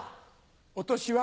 お年は？